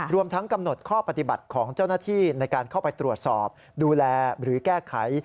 รวมทั้งกำหนดข้อปฏิบัติของเจ้าหน้าที่ในการเข้าไปตรวจสอบดูแลหรือแก้ไข